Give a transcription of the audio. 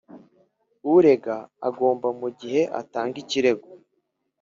Urega agomba mu gihe atanga ikirego